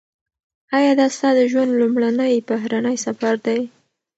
ایا دا ستا د ژوند لومړنی بهرنی سفر دی؟